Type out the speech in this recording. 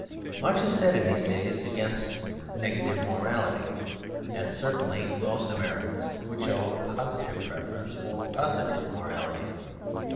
Much is said in these days against negative morality; and certainly most Americans would show a positive preference for positive morality.